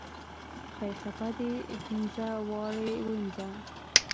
خۍ خپه دې پينزه وارې ووينزه.